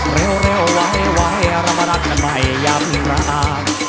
เร็วเร็วไหวไหวรับประดับกันใหม่อย่าเพิ่งรัก